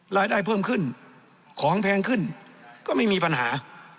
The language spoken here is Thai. รายได้เพิ่มขึ้นของแพงขึ้นก็ไม่มีปัญหา